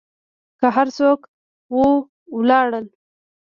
که هر څوک و لاړل.